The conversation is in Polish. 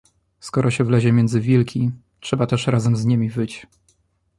"Skoro się wlezie między wilki, trzeba też razem z niemi wyć."